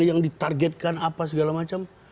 yang ditargetkan apa segala macam